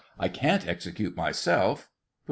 I can't execute myself. POOH.